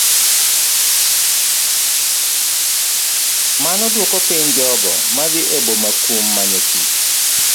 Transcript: Mano duoko piny jogo madhi e boma kuom manyo tich.